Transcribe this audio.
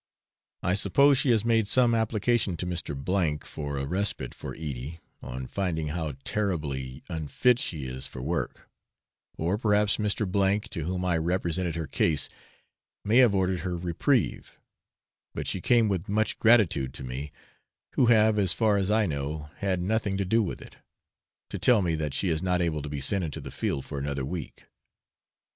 I suppose she has made some application to Mr. G for a respite for Edie, on finding how terribly unfit she is for work; or perhaps Mr. , to whom I represented her case, may have ordered her reprieve; but she came with much gratitude to me (who have, as far as I know, had nothing to do with it), to tell me that she is not able to be sent into the field for another week.